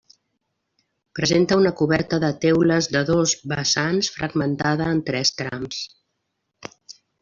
Presenta una coberta de teules de dos vessants fragmentada en tres trams.